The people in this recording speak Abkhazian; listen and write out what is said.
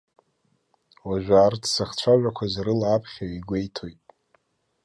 Уажәы арҭ сзыхцәажәақәаз рыла аԥхьаҩ игәеиҭоит.